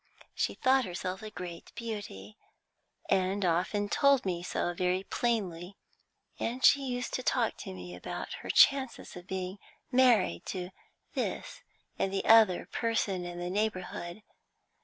She thought herself a great beauty, and often told me so very plainly, and she used to talk to me about her chances of being married to this and the other person in the neighbourhood.